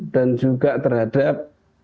dan juga terhadap